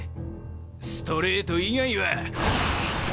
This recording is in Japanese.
ストレート以外は！